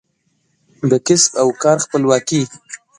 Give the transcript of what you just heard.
د کسب او کار خپلواکي